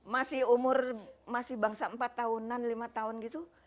masih umur masih bangsa empat tahunan lima tahun gitu